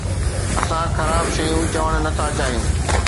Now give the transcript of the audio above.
اسان خراب شيون چوڻ نٿا چاهيون